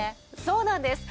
そうなんです。